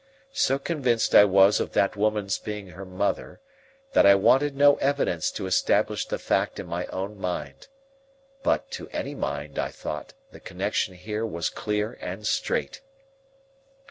So convinced I was of that woman's being her mother, that I wanted no evidence to establish the fact in my own mind. But, to any mind, I thought, the connection here was clear and straight.